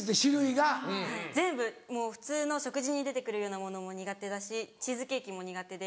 はい全部もう普通の食事に出て来るようなものも苦手だしチーズケーキも苦手で。